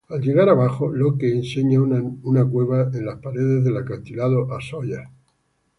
Al llegar abajo, Locke enseña una cueva en las paredes del acantilado a Sawyer.